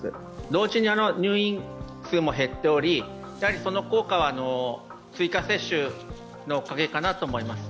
同時に入院数も減っており、その効果は追加接種のおかげかなと思います。